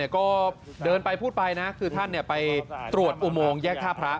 ก็เดินไปพูดไปนะคือท่านไปตรวจอุโมงแยกท่าพระ